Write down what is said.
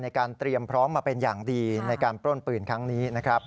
ในการเตรียมพร้อมมาเป็นอย่างดีในการปล้นปืนครั้งนี้นะครับ